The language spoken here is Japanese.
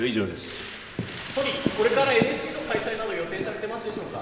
総理、これからＮＳＣの開催など予定されてますでしょうか。